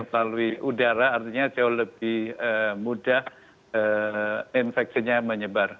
lalu udara artinya jauh lebih mudah infeksinya menyebar